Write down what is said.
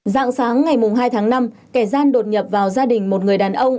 dạng sáng ngày hai tháng năm kẻ gian đột nhập vào gia đình một người đàn ông